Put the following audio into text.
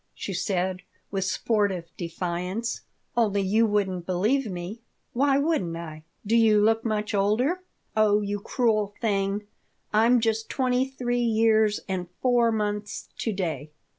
she said, with sportive defiance. "Only you wouldn't believe me." "Why wouldn't I? Do you look much older?" "Oh, you cruel thing! I'm just twenty three years and four months to day.